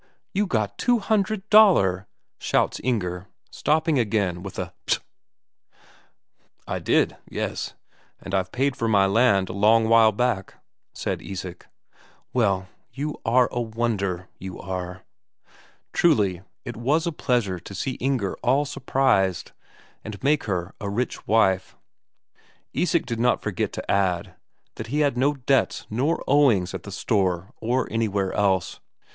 "You got two hundred Daler!" shouts Inger, stopping again with a "Ptro!" "I did yes. And I've paid for my land a long while back," said Isak. "Well you are a wonder, you are!" Truly, it was a pleasure to see Inger all surprised, and make her a rich wife. Isak did not forget to add that he had no debts nor owings at the store or anywhere else.